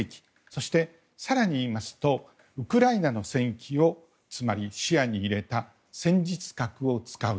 そして、更に言いますとウクライナの全域を視野に入れた戦術核を使う。